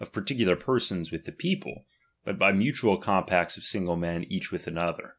pu ticular persons with the people, but by mutual thT^^:"t^ compacts of single men each with other.